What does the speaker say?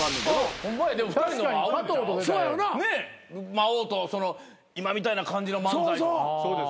魔王と今みたいな感じの漫才。